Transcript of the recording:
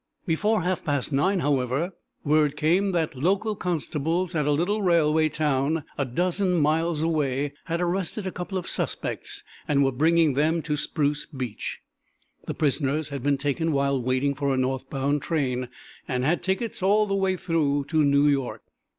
Before half past nine, however, word came that local constables at a little railway town a dozen miles away had arrested a couple of suspects and were bringing them to Spruce Beach. The prisoners had been taken while waiting for a north bound train, and had tickets all the way through to New York.